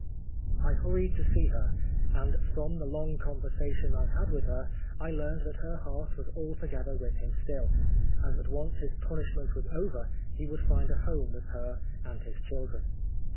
I hurried to see her, and from the long conversation I had with her, I learned that her heart was altogether with him still, and that once his punishment was over, he would find a home with her and his children.